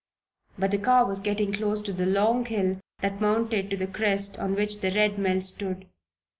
But the car was getting close to the long hill that mounted to the crest on which the Red Mill stood.